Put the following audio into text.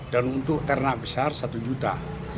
dan untuk ternak besar satu juta